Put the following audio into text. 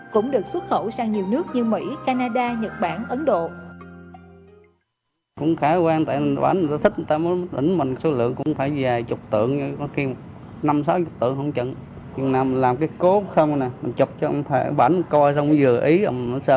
cũng được xuất khẩu sang nhiều nước như mỹ canada nhật bản ấn độ